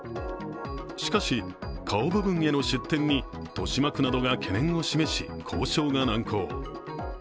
しかし、顔部分への出店に豊島区などが懸念を示し交渉が難航。